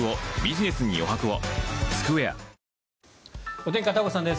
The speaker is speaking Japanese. お天気、片岡さんです。